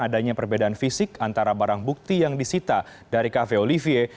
adanya perbedaan fisik antara barang bukti yang disita dari cafe olivier